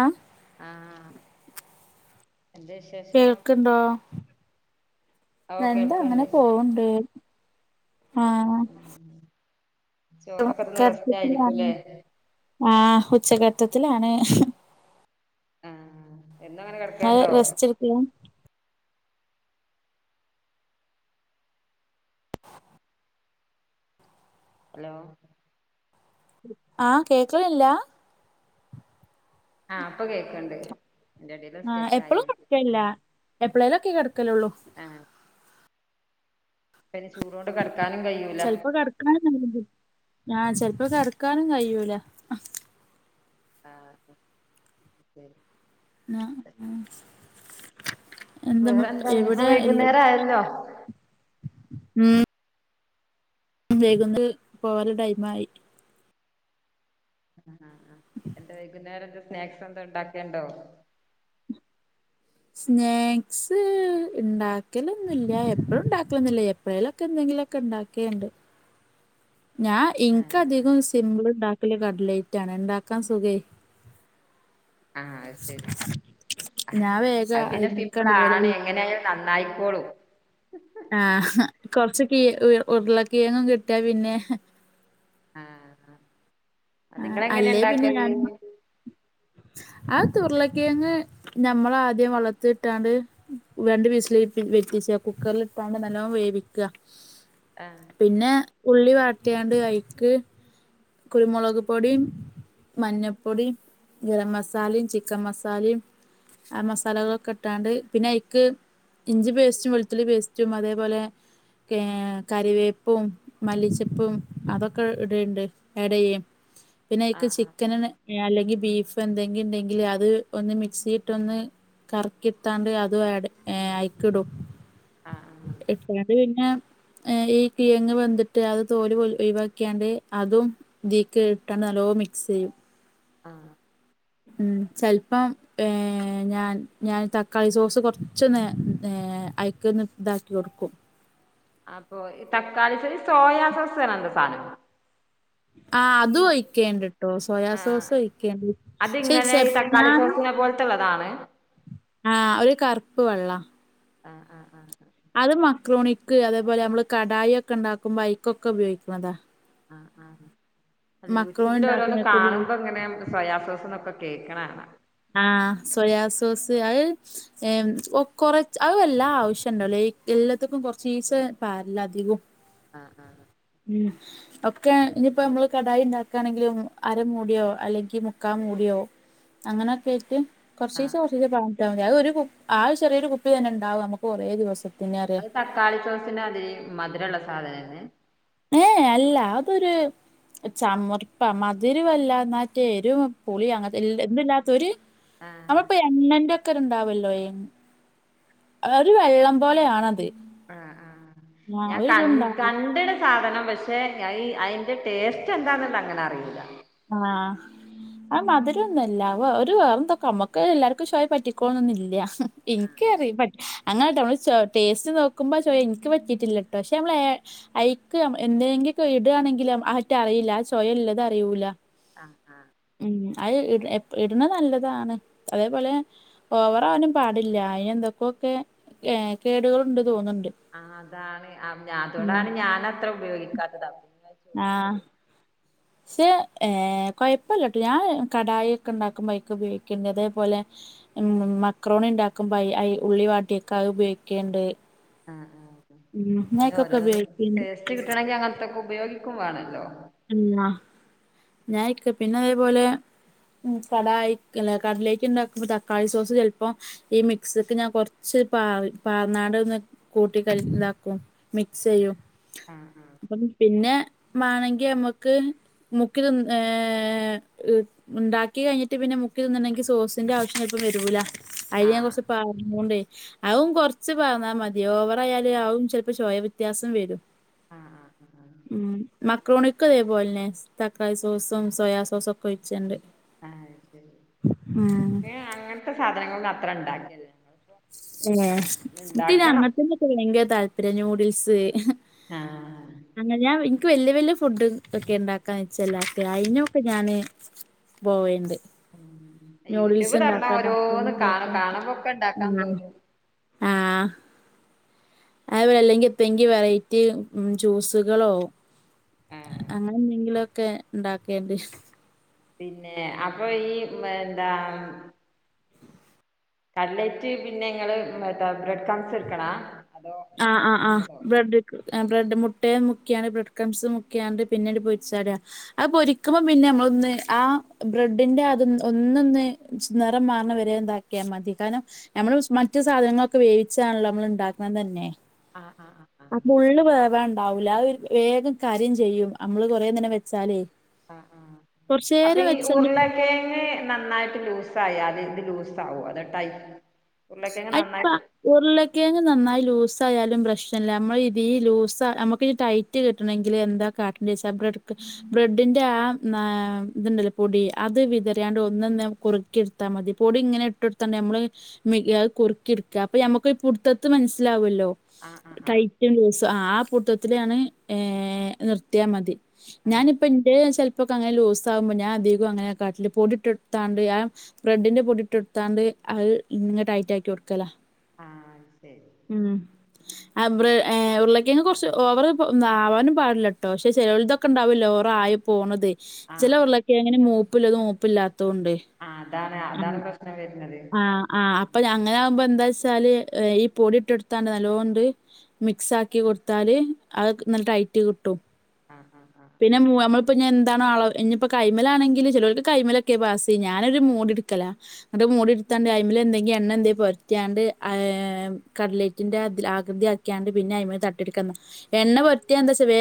ആഹ് ആഹ് എന്താ വിശേഷം കേൾക്കണ്ടോ ഓ എന്താ കേൾക്ക്ണ്ട് അങ്ങനെ പോവണ്ട് ആഹാ ചോറൊക്കെന്ന് റെസ്റ്റായിരിക്കും ല്ലേ ആഹ് ഉച്ചകടത്തത്തിലാണ് ആഹ് എന്നും അങ്ങനെ അത് കിടക്കലുണ്ടോ റെസ്റ്റെടുക്കണ് ഹലോ ആഹ് കേക്കലില്ല ആഹ് ഇപ്പൊ കേക്കണ്ട് ആഹ് എപ്പഴും കടക്കലില്ല എപ്പളെലൊക്കെ കെ ക്കലുള്ളു പിന്ന ചൂടോണ്ട് കിടക്കാനും കഴൂല ഞാൻ ചിലപ്പോ കിടക്കാനും കഴിയൂല ആഹ് ശരി [unintelligible] വേറെ എന്താ, ഇനിയിപ്പ എവിടെ എല്ല വൈകുന്നേര ആയല്ലോ ഉം വൈകു ന്നൽ പോവാല ടൈമായി [inaudible] എന്റെ വൈകുന്നേരം എന്ത സ്നാക്സ് എന്താ ഉണ്ടാക്കെ ണ്ടോ. സ്നാക്സ് ഉണ്ടാക്കലൊന്നും ല്ല എപ്പഴും ഉണ്ടാക്കലന്നില്ല, എപ്പോഴേലൊക്കെ എന്തെങ്കിലുംക്കെ ഇണ്ടാക്കേണ്ട്. ഞാ ആഹ് ഇൻകധികം സിമ്പി ഉണ്ടാക്കല് കടലേറ്റാണ്. ഉണ്ടാക്കാൻ സുഖേ ആഹ അ ശരി. ഞാൻ വേഗം അത് പിന്നെ സിംപിള അയ്മക്കാണ്ട് പോവല്. ആണ് എങ്ങനൊയാലും നന്നായിക്കോളൂ. ആഹ് കൊറച്ച് കീ ഉ ഉരുള കീഴങ്ങ് കിട്ടിയ പിന്നെ. ആഹ ആഹ് അത്ങ്ങൾങ്ങനെ ണ്ടാക്കൽ ആ തുരുളക്കേങ്ങ് ഞമ്മൾ ആദ്യം വള്ളത്തി ട്ടാണ്ട് രണ്ട് വിസില് വരീച്ച. കുക്കറിലട്ടാണ്ട് നല്ലോം വേവിക്കുക ആഹ് പിന്നെ ഉള്ളി വാട്ടിയാണ്ട് ഐക്ക് കുരുമുളക് പൊടിം മഞ്ഞപ്പൊടിം ഗരം മസാലയും ചിക്കൻ മസാലയും ആ മസാലകളൊക്കെ ഇട്ടാണ്ട് പിന്നെ ഐക്ക് ഇഞ്ചി പേസ്റ്റും വെളുത്തുള്ളി പേസ്റ്റും അതേപോലെ ഏ കറിവേപ്പും മല്ലിച്ചപ്പും അതൊക്കെ ഇടണ്ട് എടെയും പിന്നെ എക്ക് ആഹ് ചിക്കന അല്ലെങ്കിൽ ബീഫ് എന്തെങ്കും ഉണ്ടെങ്കില് അത് ഒന്ന് മിക്സിയിട്ട ഒന്ന് കറക്കിത്താണ്ട് അതും അയക്കിടും ആഹ ആഹ അത് പിന്നെ ഈ കിഴങ്ങ് വന്തിട്ട് അത് തോലി ഒഴിവാക്കാണ്ട് അതും തീക്ക്ട്ടാണ്ട് നല്ലോ മിക്സെയ്യും ആ ആ ഉം ചെലപ്പം ഏ ഞാൻ ഞാൻ തക്കാളി സോസ് കുറച്ചൊന്ന് ഏ അയ്ക്കൊന്ന് താക്കി കൊടുക്കും അപ്പൊ ഈ തക്കാളിച് സോയാ സോസ് തണ എന്താ സാനം ആ അതും ഒഴിക്കേണ്ടിട്ടോ സോയാ സോസ് ആഹ് ഒഴിക്കേണ്ടെ അതിങ്ങനെ ഈ [unintelligible] തക്കാളി ഞാൻ സോസിനെ പോലത്തുള്ളതാണ് ആഹ് ഒരു കറുപ്പ് വെള്ളാ ആ ആഹ ആ അത് മക്രൂണിക്ക് അതേപോലെ നമ്മള് കടായി ഒക്കെ ഉണ്ടാക്കുമ്പോ ഐക്കൊക്കെ ഉപയോഗിക്കണതാ ആഹ ആ ആ അത് മക്രോണി യൂട്യൂബിൽ ഓരോന്നും ഇണ്ടാക്ക്ണേക്ക് ഉപയോഗി കാണുമ്പോ ങ്ങനെ സോയാസോസ ന്നൊക്കെ കേക്കണ കാണാ ആഹ് സോയാ സോസ് അയ് ഏം ഒ കൊറ് അത് വല്ലാതെ ആവശ്യണ്ടോ എല്ലാത്തക്കും കൊറേശെ പാരലാ അധികും. ആ ആ ആ ഉം ഒക്കെ ഇനിയിപ്പോ നമ്മള് കടായി ണ്ടാക്കണെങ്കിലും അര മൂടിയോ അല്ലെങ്കിൽ മുക്കാ മൂടിയോ അങ്ങനെയൊക്കൊയിട്ട് കൊർച്ചീച്ചേ ആഹ് കൊർച്ചീച്ചേ താമതി അത് ഒരു ആ ചെറിയൊരു കുപ്പി തന്നെ ഉണ്ടാവും നമുക്ക് കുറേ ദിവസം അത് തക്കാളി സോസിന്റെ അതെ മധുരള്ളത് [unintelligible] ഏ അല്ല അതൊരു ചമർപ്പാ മധുരവും അല്ല എന്നാറ്റേ എരുപുളി അങ്ങൻതെ എന്ത്ല്ലാത്തൊരു ആഹ് ഞമ്മളിപ്പൊ എണ്ണന്റൊക്കെ ണ്ടാവല്ലോ അയ് ഒരു വെള്ളം പോലെയാണത് ആ ആ ആഹ് ഞാ കൺ ഒരിതുണ്ടാവും കണ്ട്ണ് സാധനം പക്ഷെ ഞായി ഐന്റെ ടേസ്റ്റ് എന്താന്നുള്ളതങ്ങനെ അറിയൂല ആ അത് മധുരൊന്നും അല്ല വൊ ഒരു വേറെന്തോ ക്കമ്മക്ക് ല്ലാർക്കും ശൊയ പറ്റിക്കോൾണന്നില്ല ഇൻക് അറീ പട് അങ്ങനെട്ടൊ ചൊ ടേസ്റ്റ് നോക്കുമ്പോ ചൊയ ഇൻക്ക് പറ്റീട്ടില്ലട്ടോ ക്ഷെ നമ്മളേ ഐക്ക് എന്തെങ്കിക്ക്ടാണെങ്കിലും ആറ്റ അറിയില്ല ആ ശൊയയിള്ളത് അറിയൂല ആ ആ ഉം അത് ഇടു എപ്പ ഇട്ണ് നല്ലതാണ് അതേപോലെ ഓവറാവാനും പാടില്ല ഐനെന്തൊക്കോക്കെ ഏ കേടുകളുണ്ട് തോന്നുന് ആ അതാണ് അൻഅതോണ്ടാണ് ഞാൻത്ര ഉപയോഗിക്ക കാത്തത് ആ ഷെ ഏ കൊയപ്പല്ലട്ടോ ഞാൻ കടായിക്കെ ണ്ടാക്കുമ്പോ ഐക്പയോഗിക്കും അതേപോലെ ഉം മക്രോണിണ്ടാക്കുമ്പോ ഐ ഐ ഉള്ളി വാട്ടിക്കെ ഉപയോഗിക്ക്ണ്ട് ആ ആ അ പിന്നെ ഓരോരൊ ഉപയോഗിക്കണ്ട് ടേസ്റ്റ് കിട്ടണെങ്കിങ്ങൻത്തൊക്കെ ഉപ് ഉപയോഗിക്കും വേണല്ലോ പിന്നെ ഞാൻ ഇക്ക് പിന്നെ അതേപോലെ കടായിക് അല്ല കട്ലേറ്റ് ഇണ്ടാക്കുമ്പോ തക്കാളി സോസ് ചിലപ്പോ ഈ മിക്സ്ക്ക് ഞാൻ കൊറച്ച് പാറന്നാട് ഒന്ന് കൂട്ടി ഇതാക്കും മിക്സ് ചെയ്യും ആഹ് [unintelligible] പിന്നെ മാണെങ്ക് നമ്മക്ക് മുക്കി തിന്ന് ഏ ഉണ്ടാക്കി കഴിഞ്ഞിട്ട് പിന്നെ മുക്കി തിന്നണെങ്കിൽ സോസിന്റെ ആവശ്യം ചെലപ്പം വരൂല അയില് ഞാൻ ആഹ് കൊറച്ച് പാൽ മോണ്ടെ അതും കൊറച്ച് പാർന്നാ മതി ഓവറായാലെ അതും ചിലപ്പോ ചൊയവ്യത്യാസം വരും ആഹ് ആഹ് ആഹ് ഉം മക് ക്രോണിക്കും അതേപോലെന്നെ, തക്കാളി സോസും സോയാ സോസും ഒക്കെ ഒഴിച്ച്ണ്ട്. ആഹ് അത് ശെരി ങ്ങേ അങ്ങനത്തെ സാധനങ്ങത് ത്രണ്ടാക്കിയ [unintelligible] ഞങ്ങള് ഏ ഇൻക്ന്നെ അങ്ങൻത്തീന്നൊക്കെ ഭയങ്കര താല്പര്യാ ന്യൂ ടിൽസ് ആഹ് അങ്ങനെ ഞാൻ വി ഇൻക്ക് വല്ല്യ വല്ല്യ ഫുഡ് ഒക്കെ ഉണ്ടാക്കാൻ നിച്ചല്ലാത്ത്, [unintelligible] ഞാന് പോവേണ്ട്. ആ നൂഡിൽസ് യൂട്യൂബ് തൊറന്നാ ഓരോന്ന് കാണും കാണുമ്പൊക്കെ ഇണ്ടാ ഉം ആ ഔ അല്ലെങ്കിത്തെങ്കി വെറൈറ്റി ഉം ജ്യൂസ്കളോ ആ അങ്ങനെന്തെങ്കിലൊക്കെണ്ടാക്കേണ്ട് പിന്നേ അപ്പൊ ഈ മ് ന്താ കട്ലെയ്റ്റ് പിന്നെങ്ങള് എത്താ ബ്രെഡ് ക്രംസ്ട്ക്ക്ണാ ആ ആ ആ ബ്രെഡ്ക് എ ബ്രെഡും മു ട്ടേ മുക്ക്യാണ്ട് ബ്രെഡ്ക്രംസ് മുക്ക്യാണ്ട് പിന്നെണ്ട് പൊര്ച്ചാടാ അത് പൊരിക്കുമ്പം പിന്നെമ്മളൊന്ന് ആ ബ്രെഡിന്റെ അത് ഒന്നൊന്ന് സ് നെറം മാറ്ണെ വരേ ന്താക്കിയാമതി കാരണം ഞമ്മള് സ് മറ്റ് സാധനങ്ങളൊക്കെ വേവിച്ചാണല്ലൊ മ്മള്ണ്ടാക്ക്ണത ന്നെ ആഹ് ആഹ് ആഹ് ആ ആഹ് പ്പുള്ള് വേണ്ടാവൂല്ലാ അര് വേഗം കരിം ചെയ്യും അമ്മള് കൊറേ നേരം വെച്ചാലേ ആ ആ അപ്പ കൊറച്ചേരം ഈ വെച്ചാണ്ട് ഉർളക്കെഴങ്ങ് നന്നായിട്ട് ലൂസ്സായാ ത് ഇത് ലൂസാവൊ അതൊ ടൈ ഉരുളക്കിഴങ്ങ് അ ഇപ്പ നന്നായിട്ട് ഉർളക്കെയങ്ങ്‌ നന്നായി ലൂസ് സായാലും പ്രശ്നല്ല ഞമ്മള് ഇതി ഈ ലൂസ ഞമ്മക്കിഞ്ഞ് ടൈറ്റ് കിട്ടണെങ്കില് എന്താ കാട്ട്ണ്ടിച്ചാ ബ്രഡ് ക്ക്‌ ബ്രെഡിന്റെ ആ ആ ത്ണ്ടല്ലോ പൊടി അത് വിതറ്യാണ്ട് ഒന്നന്ന് കുർക്കിട്ത്താ മതി പൊടി ഇങ്ങനെ ഇട്ടൊട്ത്താണ്ട് ഞമ്മള് മി അത് കുർക്കിട്ക്ക അപ്പൊ ഞമ്മക്കൊരു പുട്ത്തത്ത് മൻസ്സിലാവാെല്ലോ ആഹ് ആഹ് ടൈറ്റും ലൂസ് ആ പൂട്ത്തത്ത്ലാണ് ഏഹ് നിർത്തിയാ മതി ആഹ് ആഹ് ഞാനിപ്പന്റെത് ചെൽപ്പാെക്കങ്ങനെ ലൂസ്സാകുമ്പോ ഞാൻ അധികും അങ്ങനെ കാട്ടല് പൊടിട്ടാെട്ത്താണ്ട് ആ ബ്രെഡിന്റെ പൊടിട്ടാെട്ത്താണ്ട് അത് ഇങ്ങെ ടൈറ്റാക്ക്യാെട്ക്കലാ ആ ശെരി ആ ബ്ര ഏഹ് ഉർളക്കെയങ്ങ് കൊർച്ച് ഓവറ് പൊ ആവാനും പാട്ല്ലട്ടോ ക്ഷെ ചെലോല്തൊക്കണ്ടാവല്ലോ ഓവറായി പോണത് ചെല ഉർളക്കെയങ്ങിന് മൂ പ്പുല്ലതും മൂപ്പില്ലാ ആ അതാണ് അതാണ് പ്രശ്നം വരുന്നത് അപ്പ ഞ അങ്ങനാവുമ്പോ എന്താച്ചാല് ഈ പൊടി ഇട്ടെടുത്താണ്ട് നല്ലോണ്ട് മിക്സ് ആക്കി കൊടുത്താല് അത് ക് നല്ല ടൈറ്റ് കിട്ടും ആഹ് ആഹ് ആഹ് പിന്ന മൂവ നമ്മളിപ്പോ ഞെന്താണോ ആളവ് ഇഞ്ഞിപ്പ കൈമലാണെങ്കില് ചിലോർക്ക് കൈമലക്കെ ബാസി ഞാനൊരു മോടി എടുക്കല ന്നിട്ട് മോടിടുത്താണ്ടായ് മ്മല് എന്തെങ്കി എണ്ണ എന്തെ പൊരട്ട്യാണ്ട് ആ കട്ലേറ്റിന്റതില് ആകൃതിയാക്കിയാണ്ട് പിന്നെ അയിമേ തട്ടിടുക്കന്ന് എണ്ണ പൊരട്ട്യാ എന്താച്ച വേ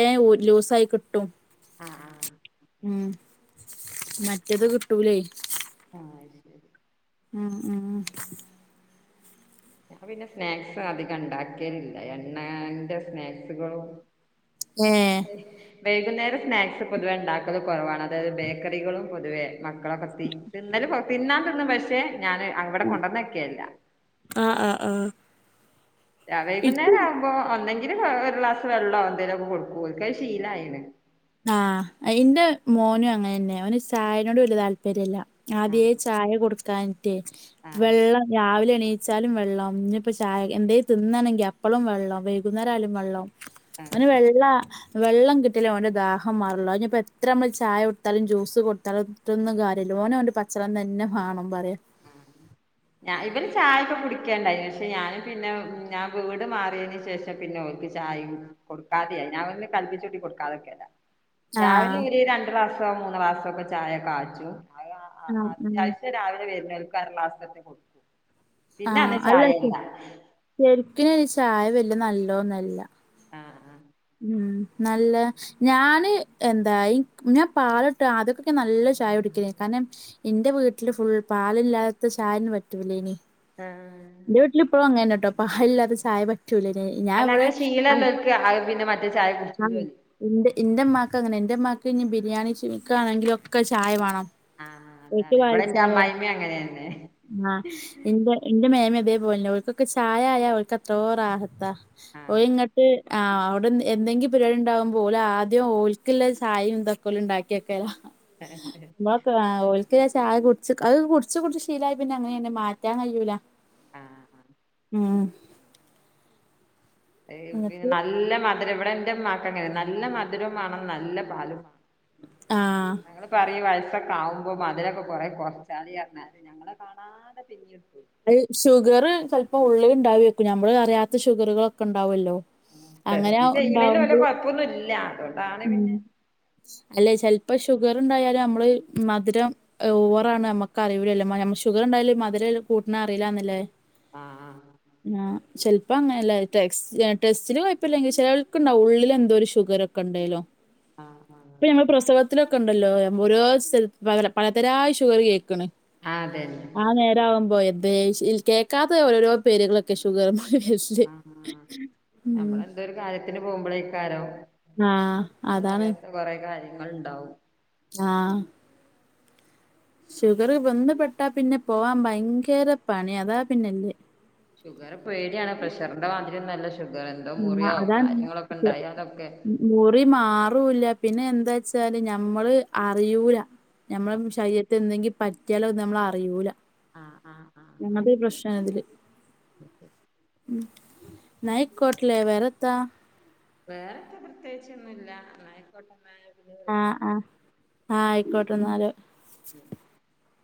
ലൂസ്സായി കിട്ടും ആഹ് ആഹ് മ്മ് മറ്റത് കിട്ടൂലേ ആഹ് ശെരി ആഹ് മ്മ് മ്മ് ഞാൻ പിന്നെ സ്നാക്സ് അധികണ്ടാക്കേലില്ല എണ്ണാന്റ സ്നാക്സുകളും ഏഹ് വൈകുന്നേരം സ്നാക്സ് പൊതുവെണ്ടാക്കല് കുറവാണ് അതായത് ബേക്കറികളും പൊതുവേ മക്കളക്കത്തി തിന്നല് പൊ തിന്നാ തിന്നും പക്ഷെ ഞാന് അവിടെ കൊണ്ടന്നെക്കെല്ല ആഹ് ആഹ് ആഹ് അ ഇക്ക് വൈകുന്നേരാവുമ്പോ ഒന്നെ ഇരു ഒ ഒരു ഗ്ലാസ് വെള്ളോ എന്തെലുവൊക്ക കൊടുക്കുവ ഓർക്കത് ശീലായിന് ആഹ് എന്റെ മോനു അങ്ങന തന്നയാ അവന് ചായനോട് വലിയ താല്പര്യല്ല അതേ ആഹ് ചായ കൊടുക്കാനിട്ടേ ആഹ് ആഹ് വെള്ളം രാവിലെ എണീ ച്ചാലും വെള്ളം ഇനി ഇപ്പ ചായ എന്തേ തിന്നണെങ്കി അപ്പളും വെള്ളം വൈകുന്നേരായാലും വെള്ളം ആഹ് അവന് വെള്ള വെള്ളം കിട്ടില് ഓന്റെ ദാഹം മാറള്ളോ അയിഞ്ഞിപ്പോ എത്ര മ്മള് ചായ കൊടുത്താലും ജ്യൂസ് കൊടുത്താലും അതൊന്നും കാര്യല്ല ഓന് ഓന്റ പച്ചളം തന്ന വാണം പറയാം മ് ഞാൻ ഇബല് ചായ ഒക്കെ കുടിക്കേണ്ടായി പക്ഷെ ഞാനും പിന്നെ ഞാൻ വീട് മാറിയന് ശേഷം പിന്നെ ഓര്ക്ക് ചായിം കൊടുക്കാതെയായി ഞാൻ ഒ കല്പ്പിച്ചൂട്ടി കൊടുക്കാതെക്കല ആഹ്. രാവിലെ ഒരു രണ്ട് പ്രാവശ്യം പ്പ മൂന്ന് ഗ്ലാസ്സൊക്കെ ചായ കാച്ചും അയ് വ അ ആഹ് അ ഉം. അത്യാവശ്യം രാവിലെ വരു [unintelligible] ലാസ്റ്റ്ത്തെ കൊടുക്കു ആ അല്ല [unintelligible] ശെരിക്കിന് ഈ ചായ വ നല്ലോന്നല്ല ആഹ് ആഹ് ഉം നല്ല ഞാന് എന്താ ഇന്ക് ഞാൻ പാലിട്ട ആദ്യകൊക്കെ നല്ല ചായ കുടിക്കേഞ്ഞ് കാരണം എന്റെ വീട്ടില് ഫുൾ പാലില്ലാത്ത ചായൊന്ന് പറ്റൂലേനി ആഹ് എന്റെ വീട്ടില് ഇപ്പഴും അങ്ങനെ ട്ടോ പാലില്ലാത്ത ചായ പ അല്ല അങ്ങനെ ശീലള്ളോർക് അത് പിന്നെ മാ ആ ഇന്റെ ഇന്റെ മ്മാക്ക് അങ്ങനെ എന്റെമ്മാക്ക് ഇനി ബിരിയാണി [unintelligible] ക്ക ആണെങ്കിലൊക്കെ ചായ വേണം ആഹ് ഒക്കെ അതാണ് ഇവിടെ എന്റെ വായിച്ചോ അമ്മായിമ്മ അങ്ങനെന്നെ ആ എന്റെ എന്റെ മേമ അതേ പോലെന്നെ ഓൽകൊക്കെ ചായ ആയ ഓല്ക് എത്രോ റാഹത്ത ഓ ആഹ് ഇങ്ങട്ട് ആ അവിടെ ഇപ്പ എന്തെ എന്തെങ്കിലും പരിപാടി ഉണ്ടാവുമ്പൊ ഓല് ആദ്യം ഓല്ക്ക് ള്ള ചായേം തൊക്കെ ഓല് ഇണ്ടാക്കി വെക്കല ഇങ്ങളൊക്കെ അ വോയി ക്ക് ചായ കുടിച്ച് അത് കുടിച്ച് കുടിച്ച് ശീലായ പിന്നെ അങ്ങനേ പിന്നെ മാറ്റാൻ കയ്യൂല ആഹ് ഉം ഏയ് പിന്നെ എന്നിട്ട് നല്ല മ മധുരം ഇവിടെ ഇന്റെമാക്കങ്ങനെണ് നല്ല മധുരം വേണം നല്ല പാലും വേണം ആഹ് ഞങ്ങള് പറയും വയസ്സ ക്കെ ആവുമ്പോ മദുരൊക്കെ കൊറേ കൊറച്ചാളി അറഞ്ഞാലും ഞങ്ങളെ കാണാതെ പിന്നിം ഇട്ക്കും അത് ഷുഗറ് ചെലപ്പോ ഉള്ളില് ഇണ്ടാവേര്ക്കും നമ്മള് അറിയാത്ത ഷുഗറുകളൊക്കെ ഉണ്ടാവോലോ മ് ടെസ്റ്റ്‌ ചെയ്യണേല് വല്ല കൊഴപ്പൊന്നുല്ല അതുകൊണ്ടാണ് പിന്നെ ഇപ്പ ഷുഗറ് ഇണ്ടായാലും നമ്മള് മധുരം ഓവറാണ് നമ്മക്ക് അറിയുല്ലല്ലോ ഷുഗറ് ഇണ്ടായാലും മധുരം കൂട്ടണ അറീലന്നല്ലേ ആ ആ ചെൽ ഇപ്പൊ അങ്ങനല്ല ടെക്സ് ടെസ്റ്റില് കൊഴപ്പല്ലെങ്കി ചെലോല്ക്ക് ഇണ്ടാവും ഉള്ളില് എന്തോ ഒരു ഷുഗറ് ഒക്കെയുണ്ടല്ലോ ഇപ്പൊ ഞങ്ങള് പ്രസവത്തിലൊക്കെ ഇണ്ടല്ലോ വോരോ സ്ഥലത്ത് പലതരായ ഷുഗറ് കേക്കണ് ആ അതെ അതെ പോയദതെ കേൾക്കാത്ത ഓരോരോ പേരുകളൊക്കെ ഷുഗറും ആ നമ്മള എന്തോ ഒരു കാര്യത്തിന് പോകുമ്പോളേക്കാരോ ആ അതാണ് കാര്യങ്ങൾ ഉണ്ടാവും ആ ഷുഗർ ബന്ധപ്പെട്ടാ പിന്നെ പോവാൻ ഭയങ്കര പണി അതാ പിന്നെ ഷുഗർ പേടിയാണ് പ്രഷറിന്റെ മാതിരിയൊന്നുമല്ല ഷു [unintelligible] ഉണ്ടായാലൊക്കെ മുരിമറുള്ള പിന്നെ എന്താ ച്ചാല് നഞമ്മള് അറിയൂല [unintelligible] എന്തെങ്കി പറ്റിയാലോ നമ്മള അറിയൂല ആ ആ ആ [unintelligible] [inaudible] [unintelligible] [unintelligible] വേറെ എത്താ [unintelligible] ആ ആ വിളിക്കണ്ട് ആ ആയിക്കോട്ടെ ട്ട ന്നാൽ [inaudible]